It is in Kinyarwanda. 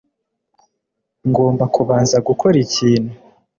Ngomba kubanza gukora ikintu